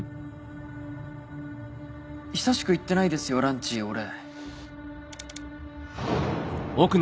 久しく行ってないですよランチ俺。